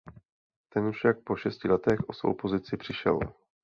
Ten však po šesti letech o svou pozici přišel.